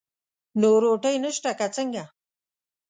نو روټۍ نشته که څنګه؟